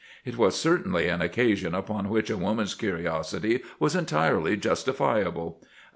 It was cer tainly an occasion upon which a woman's curiosity was entirely justifiable.